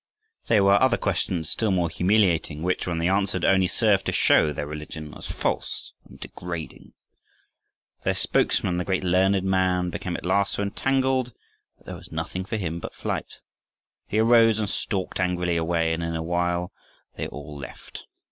There were other questions, still more humiliating, which, when they answered, only served to show their religion as false and degrading. Their spokesman, the great learned man, became at last so entangled that there was nothing for him but flight. He arose and stalked angrily away, and in a little while they all left.